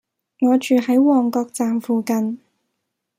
我住喺旺角站附近